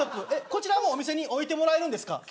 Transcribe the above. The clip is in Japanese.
こちらもうお店に置いてもらえるんですか。